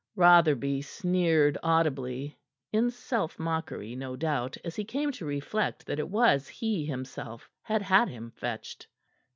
Rotherby sneered audibly in self mockery, no doubt, as he came to reflect that it was he, himself, had had him fetched.